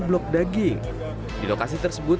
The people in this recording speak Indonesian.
blok daging di lokasi tersebut